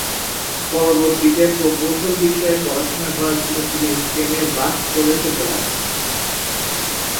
পরবর্তীতে প্রকৌশল বিষয়ে পড়াশোনা করার জন্য তিনি স্পেনের বাস্ক প্রদেশে চলে আসেন।